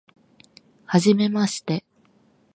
はじめまして